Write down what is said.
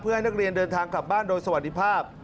ให้นักเรียนเดินทางกลับบ้านโดยสวัสดีภาพ